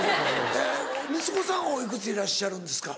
息子さんはおいくつでいらっしゃるんですか？